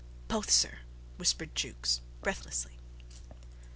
"Both, sir," whispered Jukes, breathlessly.